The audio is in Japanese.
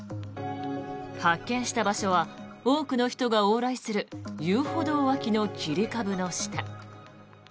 発見した場所は多くの人が往来する遊歩道脇の切り株の下。